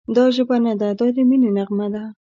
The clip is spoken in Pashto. دا ژبه نه ده، دا د مینې نغمه ده»